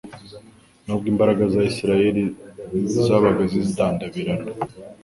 Nubwo imbaraga za Isiraeli zabaga zidandabirana,